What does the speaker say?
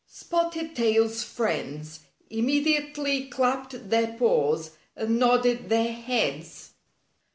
Spotted Tail's friends immediately clapped their paws and nodded their heads.